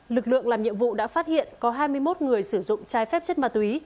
lực lượng làm nhiệm vụ đã phát hiện có hai mươi một người sử dụng trái phép chất ma túy